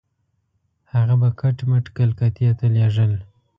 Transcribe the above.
هغه به کټ مټ کلکتې ته لېږل.